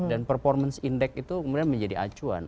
dan performance index itu kemudian menjadi acuan